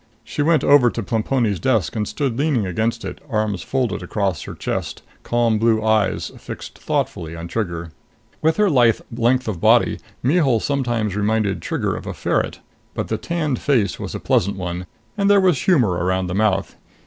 She went over to Plemponi's desk and stood leaning against it, arms folded across her chest, calm blue eyes fixed thoughtfully on Trigger. With her lithe length of body, Mihul sometimes reminded Trigger of a ferret, but the tanned face was a pleasant one and there was humor around the mouth.